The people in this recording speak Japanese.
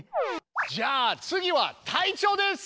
じゃあ次は隊長です！